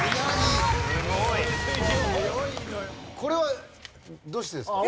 これはどうしてですか？